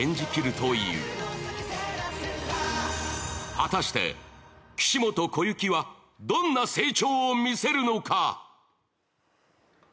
果たして岸本小雪はどんな成長を見せるのか。